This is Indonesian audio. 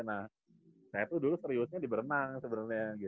nah saya tuh dulu seriusnya di berenang sebenarnya